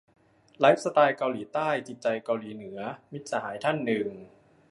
"ไลฟ์สไตล์เกาหลีใต้ จิตใจเกาหลีเหลือ" - มิตรสหายท่านหนึ่ง